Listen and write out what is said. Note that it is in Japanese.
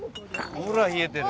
ほら冷えてる。